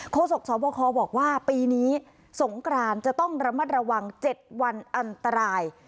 โศกสบคบอกว่าปีนี้สงกรานจะต้องระมัดระวัง๗วันอันตราย